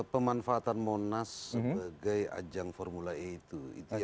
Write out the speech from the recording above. pemanfaatan monas sebagai ajang formula e itu